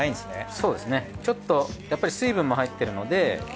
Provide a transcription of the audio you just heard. そうですねちょっとやっぱり水分も入っているので。